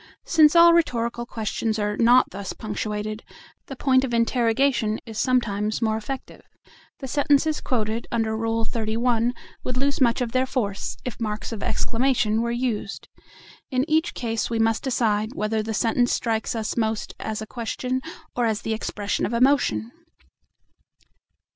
Still all rhetorical questions are not thus punctuated; the point of interrogation is sometimes more effective. The sentences quoted under Rule XXXI. would lose much of their force if marks of exclamation were used. In each case we must decide whether the sentence strikes us most as a question or as the expression of emotion.